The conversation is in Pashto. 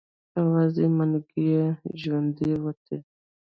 يوازې منګلی تې ژوندی وتی.